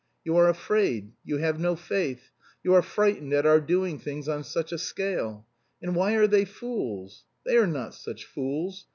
You are afraid, you have no faith. You are frightened at our doing things on such a scale. And why are they fools? They are not such fools.